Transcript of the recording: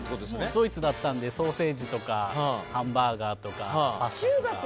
ドイツなのでソーセージとかハンバーガーとか。